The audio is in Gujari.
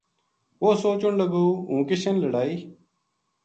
وہ سوچن لگو ہوں کِشان لڑائی